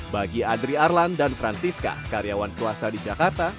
bagi adri arlan dan francisca karyawan swasta di jakarta